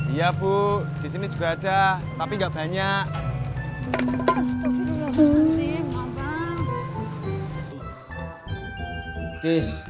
iya bu di sini juga ada tapi enggak banyak